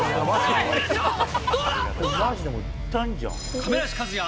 亀梨和也